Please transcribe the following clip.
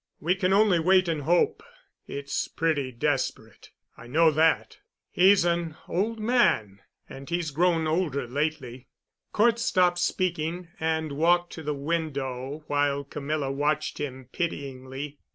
We can only wait and hope. It's pretty desperate—I know that. He's an old man—and he's grown older lately." Cort stopped speaking and walked to the window, while Camilla watched him pityingly.